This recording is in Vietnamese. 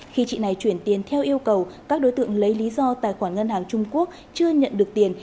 khi chị này chuyển tiền theo yêu cầu các đối tượng lấy lý do tài khoản ngân hàng trung quốc chưa nhận được tiền